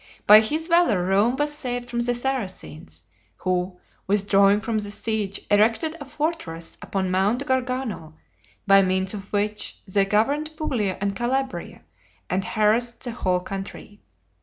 By his valor Rome was saved from the Saracens, who, withdrawing from the siege, erected a fortress upon Mount Gargano, by means of which they governed Puglia and Calabria, and harassed the whole country.